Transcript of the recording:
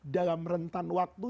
dalam rentan waktu